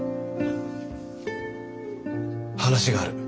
話がある。